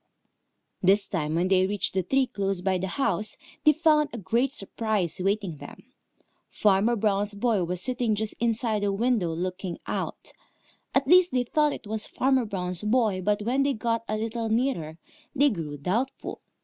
This time when they reached the tree close by the house, they found a great surprise awaiting them. Farmer Brown's boy was sitting just inside the window, looking out. At least, they thought it was Farmer Brown's boy, but when they got a little nearer, they grew doubtful.